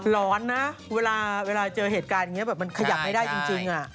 ร้อนนะเวลาเจอเหตุการณ์แบบนี้มันขยับไม่ได้จริงอ่ะ